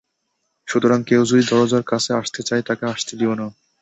সুতরাং কেউ যদি দরজার কাছে আসতে চায় তাকে আসতে দিও না।